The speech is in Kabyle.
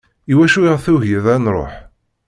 Iwacu i ɣ-tugiḍ ad nruḥ?